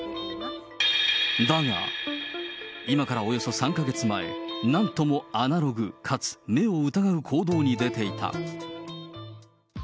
だが、今からおよそ３か月前、なんともアナログかつ目を疑う行動に出ていた。